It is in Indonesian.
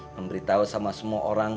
memberitahu sama semua orang